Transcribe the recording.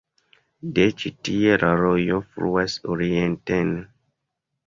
De ĉi tie la rojo fluas orienten.